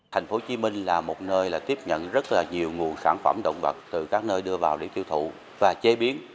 tp hcm là một nơi tiếp nhận rất nhiều nguồn sản phẩm động vật từ các nơi đưa vào để tiêu thụ và chế biến